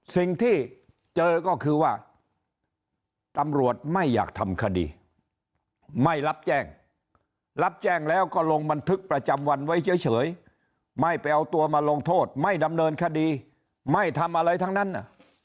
สิ่งที่เจอก็คือว่าตำรวจไม่อยากทำคดีไม่รับแจ้งรับแจ้งแล้วก็ลงบันทึกประจำวันไว้เฉยไม่ไปเอาตัวมาลงโทษไม่ดำเนินคดีไม่ทำอะไรทั้งนั้น